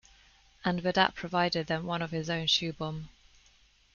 And Badat provided them one of his own shoe bomb.